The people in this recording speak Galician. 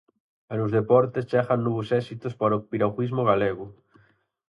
E nos deportes, chegan novos éxitos para o piragüismo galego.